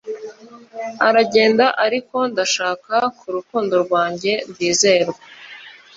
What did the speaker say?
Aragenda ariko ndashaka ku rukundo rwanjye rwizerwa